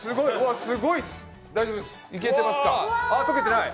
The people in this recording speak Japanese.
すごいです、大丈夫です。